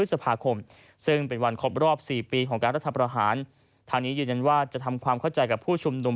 และรัฐพรหารทางนี้ยืนยันว่าจะทำความเข้าใจกับผู้ชมนุม